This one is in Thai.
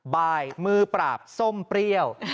บายมือปราบส้มเปรี้ยว